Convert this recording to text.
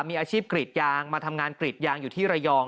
มีอาชีพกรีดยางมาทำงานกรีดยางอยู่ที่ระยอง